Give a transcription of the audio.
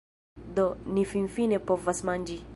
Do, ni finfine povas manĝi